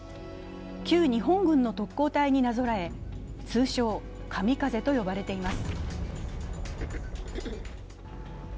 旧日本軍の特攻隊になぞらえ、通称・カミカゼと呼ばれています。